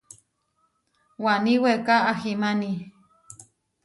Waní weká ahimáni.